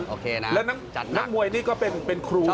โอเคนะจัดหนักแล้วนักมวยนี่ก็เป็นครูส่อง